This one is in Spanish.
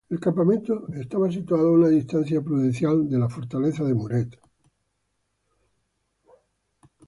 El campamento estaba situado a una distancia prudencial de la fortaleza de Muret.